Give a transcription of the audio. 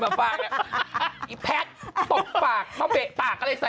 ตบปากนะแพส